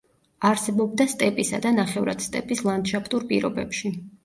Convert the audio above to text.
არსებობდა სტეპისა და ნახევრად სტეპის ლანდშაფტურ პირობებში.